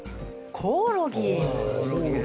コオロギか。